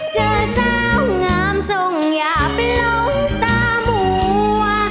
เจอสาวงามทรงอย่าเป็นลมตามัว